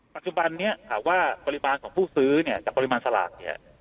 ปัจจุบันนี้ปริมาตรของผู้ซื้อจะเป็นปริมาตรสลัก